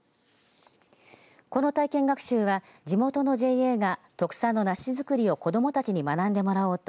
この体験学習は、地元のＪＡが特産の梨づくりを子どもたちに学んでもらおうと